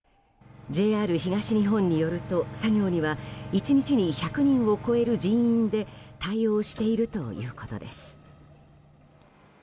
ＪＲ東日本によると、作業には１日に１００人を超える人員で対応しているということです。